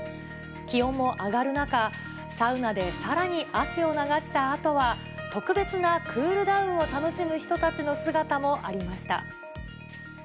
気温も上がる中、サウナでさらに汗を流したあとは、特別なクールダウンを楽しむ人たちの姿もありました。